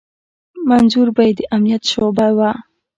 منظور به يې د امنيت شعبه وه.